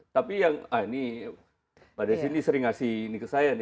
tapi yang pada sini sering memberi ke saya